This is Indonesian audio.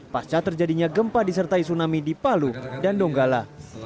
pasca terjadinya gempa disertai tsunami di palu dan donggala